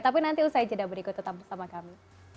tapi nanti usai jeda berikut tetap bersama kami